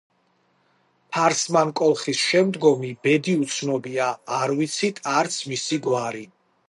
ფარსმან კოლხის შემდგომი ბედი უცნობია, არ ვიცით არც მისი გვარი.